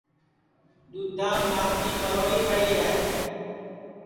دُؔدھام ماکھی مروڑی پڑی ہے